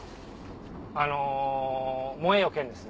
あの『燃えよ剣』ですね。